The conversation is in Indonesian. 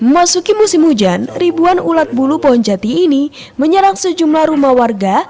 masuki musim hujan ribuan ulat bulu pohon jati ini menyerang sejumlah rumah warga